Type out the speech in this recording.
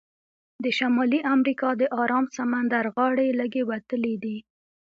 د شمالي امریکا د ارام سمندر غاړې لږې وتلې دي.